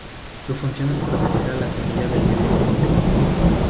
Su función es proteger a la semilla del medio ambiente.